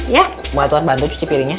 mau atur bantu cuci piringnya